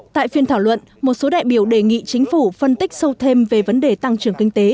tại phiên thảo luận một số đại biểu đề nghị chính phủ phân tích sâu thêm về vấn đề tăng trưởng kinh tế